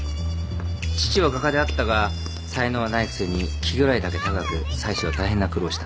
父は画家であったが才能はないくせに気位だけ高く妻子は大変な苦労をした。